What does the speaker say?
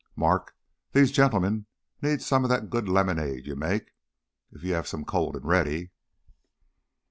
"Mark, these gentlemen need some of that good lemonade you make if you have some cold and ready."